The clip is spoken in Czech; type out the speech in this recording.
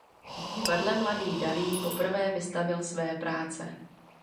V divadle mladý Dalí poprvé vystavil své práce.